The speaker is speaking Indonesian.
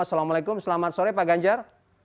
assalamualaikum selamat sore pak ganjar